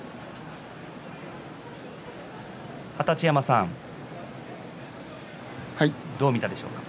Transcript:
二十山さんどう見たでしょうか？